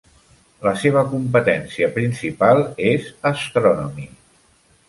La seva competència principal és "Astronomy".